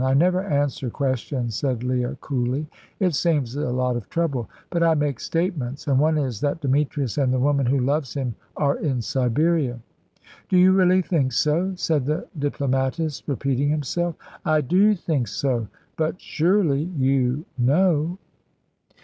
"I never answer questions," said Leah, coolly; "it saves a lot of trouble. But I make statements, and one is that Demetrius and the woman who loves him are in Siberia." "Do you really think so?" said the diplomatist, repeating himself. "I do think so; but surely you know?"